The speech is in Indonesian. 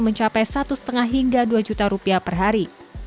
mencapai satu lima hingga dua juta rupiah per hari